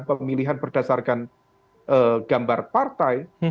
pemilihan berdasarkan gambar partai